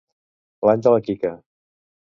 L'any de la Quica.